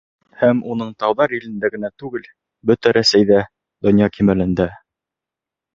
Һәм уның тауҙар илендә генә түгел, бөтә Рәсәйҙә, донъя кимәлендә.